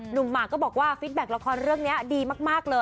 หนุ่มมากบอกว่าฟิตแบ็คราคาเรื่องนี้ดีมากค่ะ